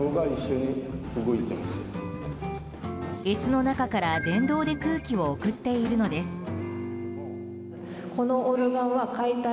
椅子の中から電動で空気を送っているのです。